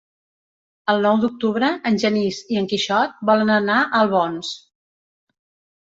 El nou d'octubre en Genís i en Quixot volen anar a Albons.